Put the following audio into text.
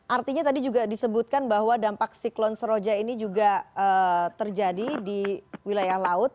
artinya tadi juga disebutkan bahwa dampak siklon seroja ini juga terjadi di wilayah laut